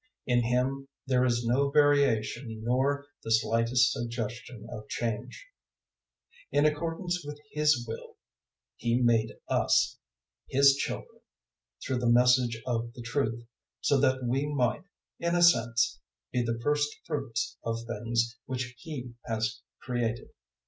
In Him there is no variation nor the slightest suggestion of change. 001:018 In accordance with His will He made us His children through the Message of the truth, so that we might, in a sense, be the Firstfruits of the things which He has created.